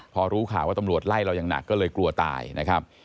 พอรู้ข่าวว่าตำรวจไล่เราอย่างหนักก็เลยกลัวตายนะครับ